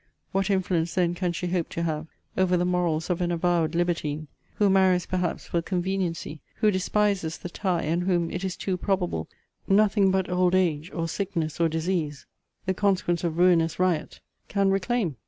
What influence then can she hope to have over the morals of an avowed libertine, who marries perhaps for conveniency, who despises the tie, and whom, it is too probable, nothing but old age, or sickness, or disease, (the consequence of ruinous riot,) can reclaim?